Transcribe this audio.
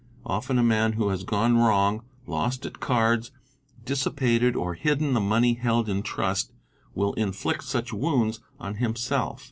Often a man who has gone wrong, lost at cards, dissipated or hidden the money held in trust, will inflict such wounds on himself.